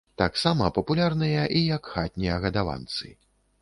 Таксама папулярныя і як хатнія гадаванцы.